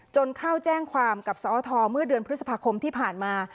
เข้าแจ้งความกับสอทเมื่อเดือนพฤษภาคมที่ผ่านมา